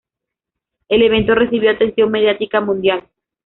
El evento recibió atención mediática mundial.